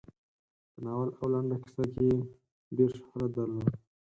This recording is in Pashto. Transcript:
په ناول او لنډه کیسه کې یې ډېر شهرت درلود.